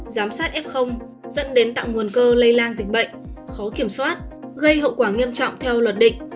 giám sát f dẫn đến tạo nguồn cơ lây lan dịch bệnh khó kiểm soát gây hậu quả nghiêm trọng theo luật định